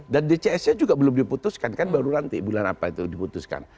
dan dcs nya juga belum diputuskan kan baru nanti bulan apa itu diputuskan